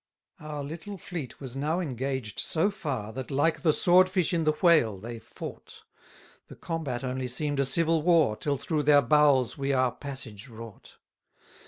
79 Our little fleet was now engaged so far, That, like the sword fish in the whale, they fought: The combat only seem'd a civil war, Till through their bowels we our passage wrought.